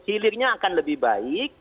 hilirnya akan lebih baik